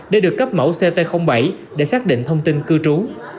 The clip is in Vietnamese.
để được cấp mẫu ct bảy để xác định thông tin cư trú